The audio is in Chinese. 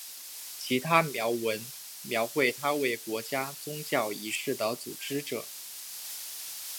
其他铭文描绘他为国家宗教仪式的组织者。